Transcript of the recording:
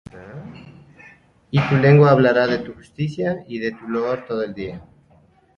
Y mi lengua hablará de tu justicia, Y de tu loor todo el día.